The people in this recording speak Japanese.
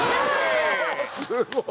すごい！